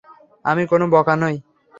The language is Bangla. আমি কোনও বোকা নই!